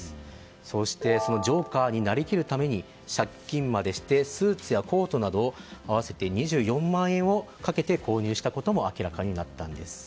そして、ジョーカーになりきるために借金までしてスーツやコートなど合わせて２４万円をかけて購入したことも明らかになったんです。